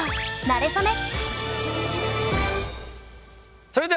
なれそめ！